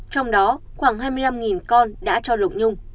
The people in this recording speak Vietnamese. trong đó khoảng hai mươi năm con đã cho lục nhung